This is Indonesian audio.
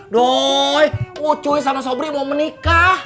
doi ucuy sama sobri mau menikah